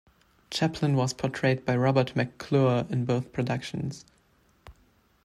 Chaplin was portrayed by Robert McClure in both productions.